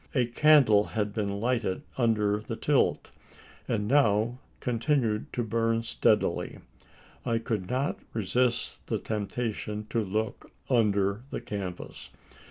A candle had been lighted under the tilt; and now continued to burn steadily. I could not resist the temptation to look under the canvas.